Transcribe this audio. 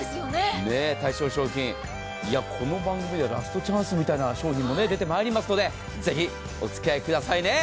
対象商品この番組でラストチャンスみたいな商品も出てまいりますのでぜひお付き合いくださいね。